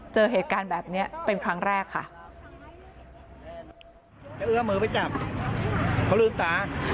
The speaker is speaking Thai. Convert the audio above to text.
เจอเหตุการณ์แบบนี้เป็นครั้งแรกค่ะ